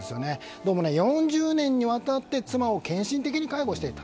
どうも、４０年にわたって妻を献身的に介護していた。